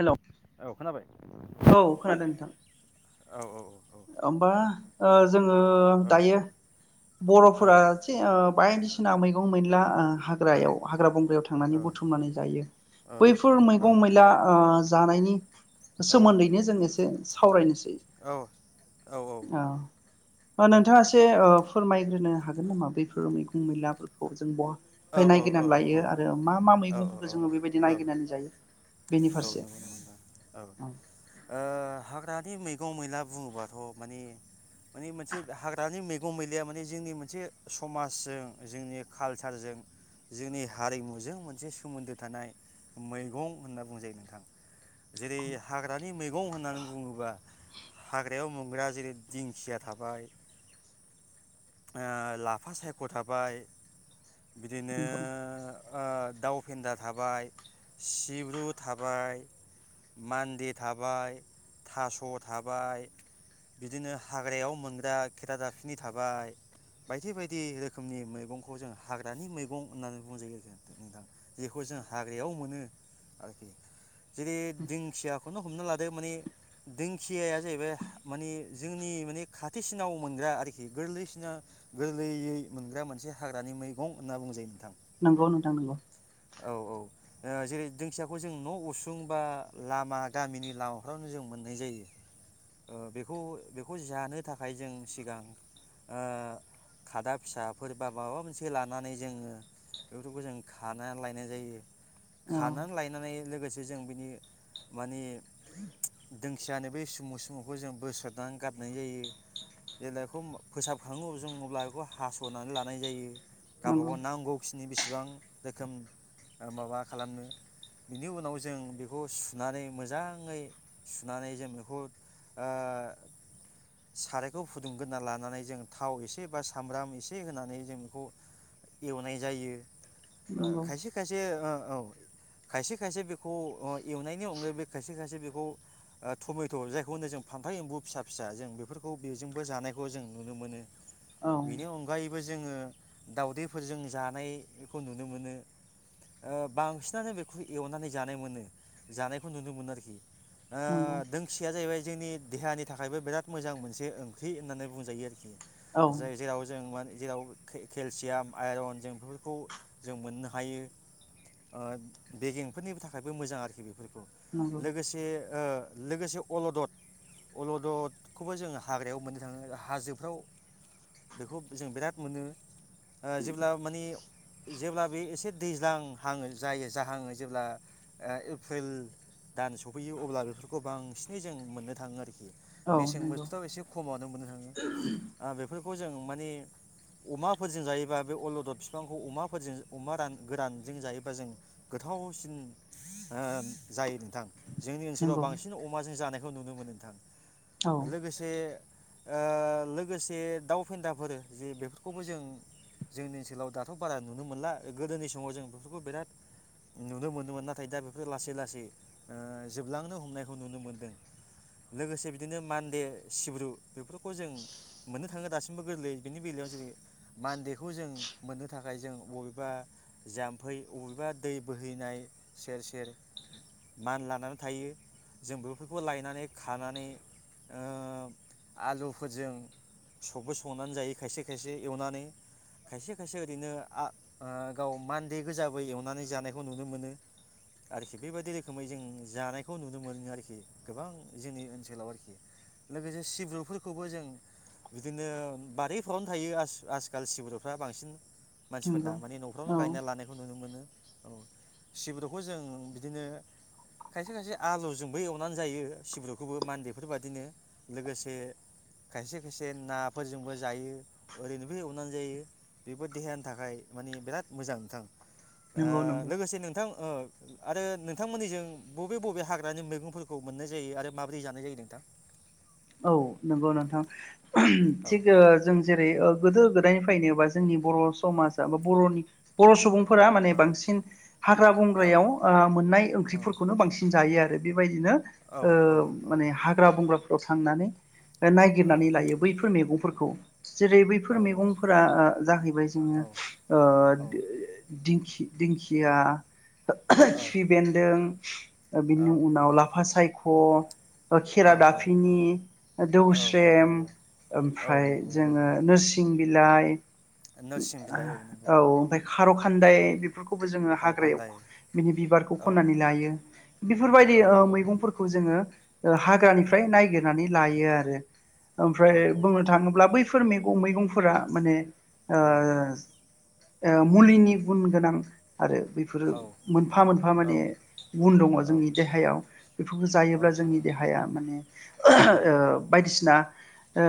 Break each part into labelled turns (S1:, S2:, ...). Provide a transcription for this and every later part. S1: Hello
S2: औ खोनाबाय औ
S1: औ खोनादों नोंथां
S2: औ औ औ
S1: ओमबा ओ जोङो दायो बर'फोरा से ओ बायदिसि सिना मैगं मोनला ओ हाग्रायाव हाग्रा बंग्रायाव थांनानै बुथुमनानै जायो बैफोर मैगं मैला ओ जानायनि सोमोन्दैनो जों एसे सावरायनोसै औ मा नोंथाङा एसे ओ फोरमायग्रोनो हागोन नामा बेफोर मैगं मैलाफोरखौ जों बहा फाय नागिनाम लायो आरो मा मा मैगंफोरखौ जोङो बेबायदि नागिरनानै जायो बेनि फारसे औ
S2: गं मैला बुङोबाथ' माने माने मोनसे हाग्रानि मैगं मैलाया माने जोंनि मोनसे समाजजों जोंनि कालसारजों जोंनि हारिमुजों मोनसे सोमोन्दो थानाय मैगं होनना बुंजायो नोंथां। जेरै हाग्रानि मैगं होननानै बुङोबा हाग्रायाव मोनग्रा जेरै दिंखिया थाबाय ओ लाफा सायख' थाबाय बिदिनो
S1: नंगौ
S2: ओ दाउ फेन्दा थाबाय सिब्रु थाबाय मान्दे थाबाय थास' थाबाय बिदिनो हाग्रायाव मोनग्रा खेथादाफिनि थाबाय बायदि बायदि रोखोमनि मैगंखौ जों हाग्रानि मैगं होननानै बुंजायो [unintelligible] नोंथां जेखौ जों हाग्रायाव मोनो आरोखि। जेरै दिंखिया खौनो हमना लादों माने दोंखियाया जाहैबाय मानि जोंनि माने खाथिसिनाव मोनग्रा आरोखि गोरलैसिना गोरलैयै मोनग्रा मोनसे हाग्रानि मै गं होनना बुंजायो नों
S1: नोंगौ नोंथां नोंगौ।
S2: औ ओ जेरै दोंखियाखौ जों न' उसुं बा लामा गामिनि लामाफ्रावनो जों मोननाय जायो। ओ बेखौ बेखौ जानो थाखाय जों सिगां ओ खादा फिसाफोर बा माबा मोनस से लानानै जोङो बेफोरखौ जों खाना लायनाय जायो।
S1: औ
S2: खानान लायनानै लोगो से जों बिनि माने दोंखियानो बै सुमु सुमुखौ जों बोस्रोननानै गादनाय जायो जेला एखौ फोसाबखाङो जों अब्ला बेखौ हास'नानै लानाय जायो। गावबा
S1: नंगौ
S2: गाव नांगौखिनि बेसिबां रोखोम माबा खालामनो बिनि उनाव जों बिखौ सुनानै मोजाङै सुनानै जों बिखौ ओ सारायखौ फुदुंग्रोना लानानै जों थाव एसे बा सामब्राम एसे होनानै जों बिखौ एवनाय जायो। ओ
S1: नंगौ
S2: खायसे खायसे ओ औ खायसे खायसे बेखौ अ एवनायनि अनगायैबो खायसे खायसे बेखौ ओ टमेट' जायखौ होनो जों फान्थाव एम्बु फिसा फिसा जों बेफोरखौ बेजोंबो जानायखौ जों नुनो मोनो।
S1: औ
S2: बिनि अनगायै बो जोङो दावदैफोरजों जानायखौ नुनो मोनो ओ बांसिनानो बेखौ एवनानै जानाय मोनो जानायखौ नुनो मोनो आरोखि। ओ
S1: नंगौ
S2: दोंखिया जाहैबाय जोंनि देहानि थाखायबो बिराद मोजां मोनसे ओंख्रि होननानै बुंजायो आरोखि
S1: औ
S2: जाय जेराव जों माने जेराव केलसियाम आइरन जों बेफोरखौ जों मोननो हायो ओ बेगेंफोरनि थाखायबो मोजां आरोखि बेफोर
S1: नंगौ
S2: लोगोसे ओ लोगोसे अलदद अलददखौबो जोङो हाग्रायाव मोननो थाङो हाजोफ्राव बेखौ जों बिराद मोनो ओ जेब्ला माने जेब्ला बे एसे दैज्लां हां जायो जाहाङो जेब्ला ओ एप्रिल दान सफैयो अब्ला बेफोरखौ बांसिनै जों मोननो थाङो आरोखि।
S1: औ
S2: मेसें
S1: नंगौ
S2: बोथोराव एसे खमाआनो मोननो थाङो आ बेफोर खौजों माने अमा फोरजों जायोबा बे अलदद बिफांखौ अमाफोरजों अमा रान गोरानजों जायोबा जों गोथाव ओ जायो नों थां जोंनि ओनसोलाव
S1: नंगौ
S2: बांसिन अमाजों जानाय खौ नुनो मोनो नोंथां
S1: औ
S2: लोगोसे ओ लोगोसे दाउ फेन्दाफोर बेफोरखौबो जों जोंनि ओनसोलाव दाथ' बारा नुनो मोनला गोदोनि समाव जों बेफोरखौ बिराद नुनो मोनोमोन नाथाय दा बेफोरो लासै लासै ओ जोबलांनो हमनायखौ नुनो मोनदों लोगोसे बिदिनो मान्दे सिब्रु बेफोरखौ जों मोननो थाङो दासिमबो गोरलै बेनि बेलायाव जेरै मानदेखौ जों मोननो थाखाय जों बबेबा जाम्फै बबेबा दै बोहैनाय सेर सेर मानलानानै थायो जों बेफोरखौ लायनानै खानानै ओ आलुफोरजों सबो संनानै जायो खायसे खायसे एवनानै खायसे खायसे ओरैनो आ ओ गाव मान्दे गोजाबो एवनानै जानायखौ नुनो मोनो आरोखि बेबायदि रोखोमै जों जानायखौ नुनो मोनो आरोखि गोबां जोंनि ओनसोलाव आरोखि लोगोसे सिब्रुफोरखौबो जों बिदिनो बारिफोरावनो थायो आस आस खाल सिब्रुफ्रा बांसिन
S1: नंगौ
S2: मानसिफोरना माने न'खरावनो
S1: औ
S2: गायना लानायखौ नुनो मोनो औ सिब्रुखौ जों बिदिनो खायसे खायसे आलुजोंबो एवनानै जायो सिब्रुखौबो मान्देफोरबादिनो लोगोसे खायसे खायसे नाफोरजोंबो जायो ओरैनो बो एवनानै जायो बेबो देहानि थाखाय माने बिराद मोजां नोंथां ओ
S1: नंगौ नंगौ
S2: लोगोसे नोंथां ओ आरो नोंथांमोननिजों बबे बबे हाग्रानि मैगंफोरखौ मोननाय जायो आरो माबोरै जानाय जायो नोंथां
S1: औ नंगौ नोंथां [unintelligible]
S2: औ
S1: थिग ओ जों जेरै ओ गोदो गोदायनिफ्रायनो बा जोंनि बर' समाजा बा बर'नि बर' सुबुं फोरा माने
S2: ओ
S1: बांसिन हाग्रा
S2: औ
S1: बंग्रायाव ओ मोननाय
S2: ओ
S1: ओंख्रिफोरखौनो बांसिन जायो आरो बायदि बेबायदिनो
S2: औ
S1: ओ माने हाग्रा बंग्रा थांनानै ओ नायगिरनानै लायो बैफोर मैगंफोर खौ जेरै बैफोर
S2: औ
S1: मैगंफोरा ओ जाहैबाय
S2: ओ औ
S1: जोङो ओ
S2: औ
S1: दिंखि दि दिंखिया खिफि बेन्दों [inaudible] बिनि उनाव लाफा सायख ख' बा खेरा
S2: औ
S1: दाफि
S2: औ
S1: नि
S2: औ
S1: दौज्रेम
S2: नंगौ औ
S1: ओमफ्राय
S2: नंगौ
S1: जोङो
S2: नंगौ
S1: नोरसिं बिलाइ
S2: नोरसिं बिलाइ नंगौ
S1: औ ओमफाय खारौ
S2: औ
S1: खान्दाय
S2: औ
S1: बेफोरखौबो जोङो हाग्रायाव
S2: खार'खान्दाय
S1: बिनि बिबारखौ
S2: औ
S1: खन्नानै लायो बेफोरबायदि
S2: औ
S1: ओ मैगंफोरखौ जोङो ओ हाग्रानिफ्राय नायगिरनानै लायो आरो
S2: औ
S1: ओमफ्राय बुंनो थाङोब्ला बै फोर मैगं मैगंफोरा माने ओ ओ मुलिनि गुन गोनां आरो बेफोरो
S2: औ
S1: मोनफा मोनफा माने गुन दङ जोंनि देहायाव बेफोरखौ
S2: औ
S1: जायोब्ला
S2: ओं
S1: जोंनि देहाया माने ओ बायदिसिना ओ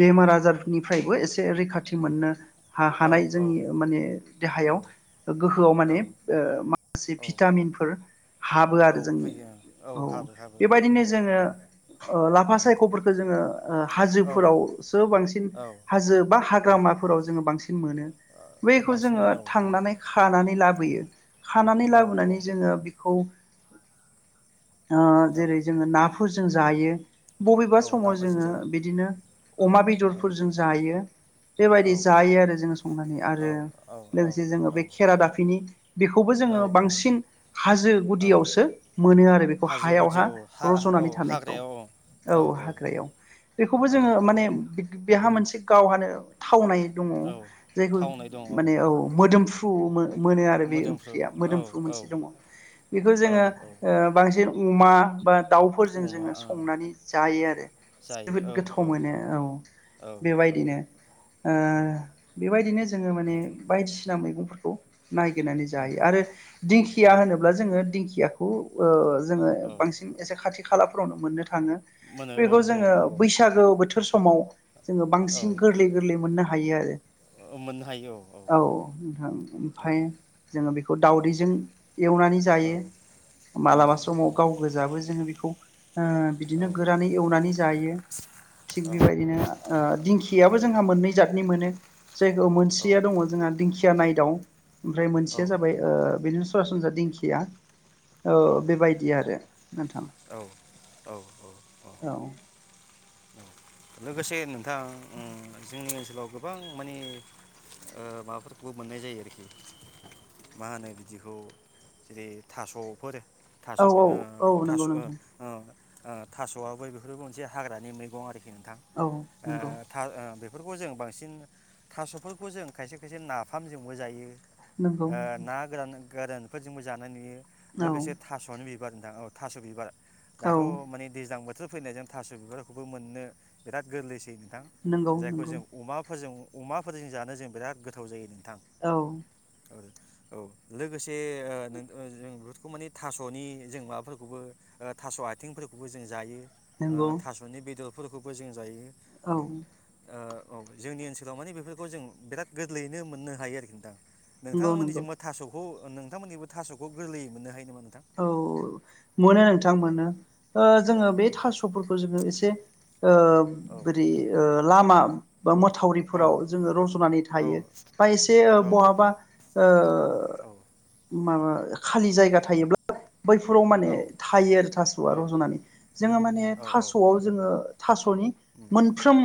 S1: बेमार आजार निफ्रायबो एसे रैखाथि मोननो
S2: औ
S1: हा-हानाय जोंनि माने देहायाव गोहोआव
S2: औ
S1: माने ओ माखासे
S2: औ
S1: भिटामिनफोर हाबो
S2: औ
S1: आरो जोंनि
S2: फैयो ओं
S1: औ
S2: हाबो हाबो औ
S1: बेबायदिनो जोङो ओ लाफा
S2: ओं
S1: सायख'फोरखौ जोङो ओ हाजोफोरावसो बांसिन
S2: औ
S1: हाजो बा
S2: औ
S1: हाग्रामा फोराव जोङो बांसिनै मोनो बैखौ
S2: बांसिन
S1: जोङो
S2: मोनो औ नंगौ
S1: थांनानै खानानै लाब होयो खानानै
S2: औ औ
S1: लाबोनानै जोङो बि खौ ओ
S2: औ
S1: जेरै जोङो ना फोरजों जायो बबेबा
S2: औ
S1: समाव
S2: नाफोरजों
S1: जोङो
S2: जायो
S1: बिदिनो
S2: औ
S1: अमा
S2: औ
S1: बेदरफोरजों जायो
S2: औ
S1: बेबायदि जायो आरो जोङो संनानै
S2: औ
S1: आरो लोगोसे जोङो बे खेरा दाफिनि बेखौबो जोङो
S2: औ
S1: बांसिन हाजो
S2: औ
S1: गुदियावसो मोनो आरो बेखौ
S2: हाजो
S1: हायाव हा
S2: गुदियाव औ औ
S1: रज'नानै थानायखौ
S2: हाग्रायाव
S1: औ हाग्रायाव बेखौबो
S2: औ
S1: जोङो माने बेहा मोनसे गावहानो थावनाय दङ
S2: औ
S1: जायखौ
S2: थावनाय दं
S1: माने औ मोदोमफुर फुहमो मोनो आरो बे
S2: मोदोमफ्रु
S1: ओंख्रिया
S2: औ
S1: मोदोमफ्रु
S2: औ
S1: मोनसे दङ बेखौ
S2: औ
S1: जोङो
S2: औ
S1: ओ बांसिन अमा बा दाउफोरजों
S2: अमा
S1: जोङो
S2: ओ
S1: संनानै जायो आरो जोबोद
S2: जायो
S1: गोथाव
S2: औ
S1: मोनो औ
S2: औ औ
S1: बेबायदिनो ओ
S2: औ
S1: बेबायदिनो जोङो माने
S2: उम
S1: बायदि सिना मैगंफोरखौ नायगिरनानै
S2: उम
S1: जायो आरो दिंखिया
S2: उम
S1: होनोब्ला जोङो दिं खियाखौ ओ जोङो
S2: औ
S1: बांसिन एसे खाथि खाला फोरावनो मोननो थाङो
S2: मोनो औ
S1: बैबौ
S2: औ
S1: जोङो
S2: नंगौ
S1: बैसागो बोथोर समाव जोङो
S2: औ
S1: बांसिन गोरलै मोननो हायो आरो।
S2: मोननो हायो
S1: औ नोंथां
S2: औ
S1: ओमफाय जोङो बेखौ
S2: औ
S1: दावदैजों एवनानै
S2: औ
S1: जायो
S2: औ
S1: मालाबा समाव गाव गोजाबो जोङो बिखौ ओ बिदिनो गोरानै एवनानै जायो थिग बेबायदिनो ओ दिंखियाब जोंहा मोननै जादनि मोनो। जायखौ मोनसेया दङ जोंहा दिंखिया नाय दाउ ओमफ्राय मोनसेया जाबाय ओ बेनो सरासनस्रा दिंखिया औ बेबायदि आरो नोंथां
S2: औ औ
S1: औ
S2: लोगोसे नोंथां ओं जोंनि ओनसोलाव गोबां माने ओ माबाफोरखौबो मोननाय जायो आरोखि मा होनो बिदिखौ जेरै थास' फोर
S1: औ
S2: थास' बि
S1: औ
S2: ओ
S1: औ नंगौ
S2: थास'ओ
S1: नोंथां
S2: ओ ओ थास'आबो बेफोरबो मोनसे हाग्रानि मैगं आरो खि नोंथां
S1: औ नंगौ
S2: ओ थार ओ बे बेफोरखौ जों बांसिन थास'फोरखौ जों खायसे खायसे नाफामजोंबो जायो।
S1: नंगौ
S2: ओ ना गोरान गोरानफोरजोंबो जानाय नुयो।
S1: औ
S2: लोगोसे थास'नो बि बार नोंथां औ थास' बिबार
S1: औ
S2: दाथ' माने दैज्लां बोथ थोर फैनायजों थास' बिबारखौबो मोननो बिराद गोरलैसै थां
S1: नंगौ
S2: जायखौ
S1: नंगौ
S2: जों अमाफोरजों अमाफोरजों जानो जों बिराद गोथाव जायो नों थां
S1: औ
S2: ओर औ लोगोसे ओ नों [unintelligible] खौ माने थास'नि जों माबाफोरखौबो ओ थास' आथिंफोरखौबो जों जायो। ओ
S1: नंगौ
S2: थास'नि बेदर फोरखौबो जों जायो। औ ओ औ जोंनि ओनसोलाव मानि बेफोरखौ जों बिराद गोरलैयैनो मोननो हायो आरोखि नोंथां नोंथाङा
S1: नंगौ
S2: मोननि
S1: नंगौ
S2: जोंबो थास' ह' नोंथांमोननि खैबो थास'खौ गोरलैयै मोननो हायो नामा नोंथां
S1: औ मोनो नोंथां
S2: औ
S1: मोनो ओ
S2: औ
S1: जोङो बे
S2: औ
S1: थास'फोरखौ जोङो एसे ओ
S2: औ
S1: बोरि ओ लामा बा
S2: औ
S1: मोथावरिफोराव जोङो रज'नानै
S2: औ
S1: थायो बा एसे
S2: औ
S1: बहाबा ओ
S2: औ
S1: माबा ओ खालि जायगा थायोब्ला [inaudible] बैफोराव माने थायो आरो थास'आ
S2: औ
S1: रज'नानै जोङो माने
S2: औ औ
S1: थास'आव जोङो थास स'नि
S2: उम
S1: मोनफ्रोम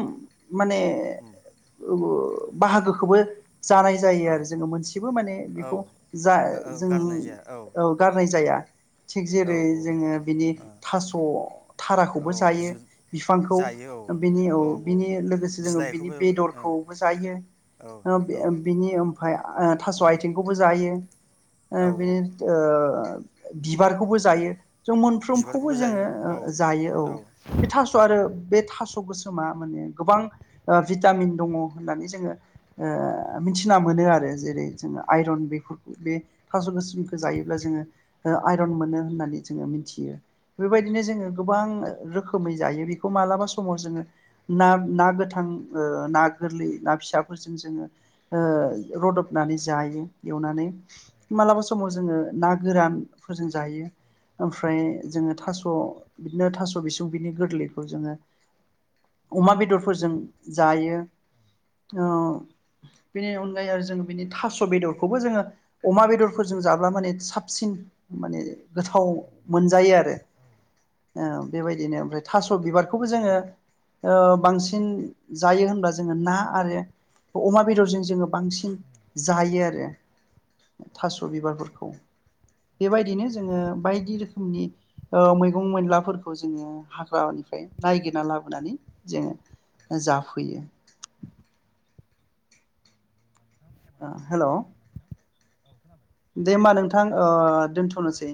S1: माने
S2: उम
S1: [unintelligible] बाहागोखौबो जानाय जायो
S2: औ
S1: आरो जोङो मोनसेबो माने
S2: औ
S1: बिखौ जा
S2: गा औ
S1: जों
S2: गारनाय जाया
S1: औ गारनाय जाया। थिग
S2: औ
S1: जेरै
S2: औ
S1: जोङो बिनि
S2: ओ
S1: थास' थाराखौबो
S2: औ
S1: जायो
S2: बिजौ
S1: बिफांखौ
S2: जायो
S1: बिनि औ बिनि लोगोसे जोङो बिनि
S2: बिलाइखौबो
S1: बेदरखौबो जायो ओ
S2: औ
S1: बे
S2: औ
S1: ओ बिनि ओमफाय आ थास'
S2: उम
S1: आथिंखौबो जायो। ओ
S2: औ
S1: बिनि
S2: औ
S1: थो बिबारखौबो
S2: औ
S1: जायो जों मोनफ्रोमखौबो
S2: बिबारखौबो
S1: जोङो
S2: जायो
S1: ओ
S2: औ
S1: जायो औ बे थास' आरो बे थास' गोसोमा माने गोबां ओ भिटामिन दङ होननानै जोङो ओ मिथिना मोनो आरो जेरै जोङो आइरन बेफोरखौ बे थास' गोसोमखौ जायोब्ला जोङो हो आइरन मोनो होननानै जोङो मिथियो बेबायदिनो जोङो गोबां रोखोमै जायो बेखौ मालाबा समाव जोङो ना ना गोथां ओ ना गोरलै ना फिसाफोरजों जोङो
S2: औ
S1: ओ रदबनानै जायो एवनानै
S2: औ औ
S1: मालाबा समाव जोङो ना गोरान फोरजों जायो ओमफ्राय
S2: औ औ।
S1: जोङो थास' बिदिनो थास' बिसुं बिनि गोरलैखौ जोङो अमा बेदरफोरजों जायो अ बेनि अनगायै जो बिनि थास' बेदरखौबो जोङो अमा बेदरफोरजों जाब्ला माने साबसिन माने गोथाव मोनजायो आरो ओ बेबायदिनो ओमफ्राय थास' बिबारखौबो जोङो ओ बांसिन जायो होनबा जोङो ना आरो अमा बेदरजों जोङो बांसिन जायो आरो थास' बिबारफोरखौ। बेबायदिनो जोङो बायदि रोखोमनि ओ मैगं मैलाफोरखौ जोङो हाग्रानिफ्राय नायगिरना लाबोनानै जोङो जाफैयो। ओ हेलौ ओ दोनथ'नोसै।